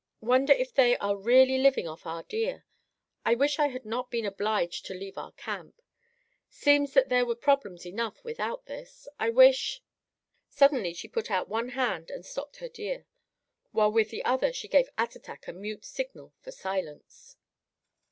Wonder if they are really living off our deer. I wish I had not been obliged to leave our camp. Seems that there were problems enough without this. I wish—" Suddenly she put out one hand and stopped her deer, while with the other she gave Attatak a mute signal for silence.